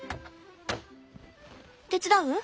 手伝う？